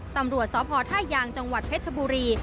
ตำรวจสพท่ายางจังหวัดเพชรบุรี